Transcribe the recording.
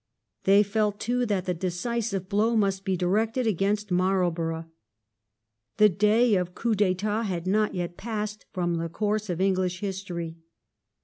They felt, too, that the decisive blow must be directed against Marlborough. The day of coups d'etat had not yet passed from the course of English history.